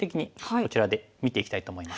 こちらで見ていきたいと思います。